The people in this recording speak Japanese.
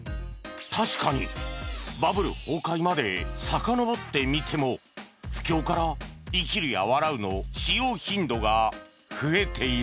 確かにバブル崩壊までさかのぼってみても不況から「生きる」や「笑う」の使用頻度が増えている